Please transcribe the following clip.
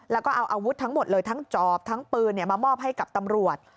แล้วก็เอาอาวุธทั้งหมดเลยทั้งจอบทั้งปืนมามอบให้กับตำรวจ